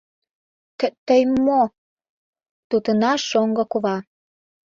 — Т-тый м-мо... — тутына шоҥго кува.